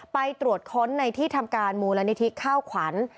ไปตรวจค้นในที่ทำการมูลนิธิข้าวขวัญ